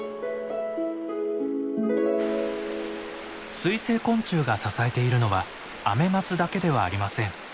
水生昆虫が支えているのはアメマスだけではありません。